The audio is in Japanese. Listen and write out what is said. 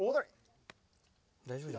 大丈夫だ。